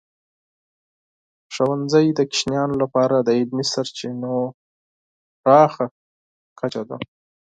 ښوونځی د ماشومانو لپاره د علمي سرچینو پراخه کچه ده.